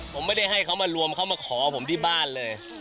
ผมไม่ได้ให้เขามารวมเขามาขอผมที่บ้านเลย